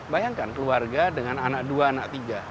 bayangkan keluarga dengan anak dua anak tiga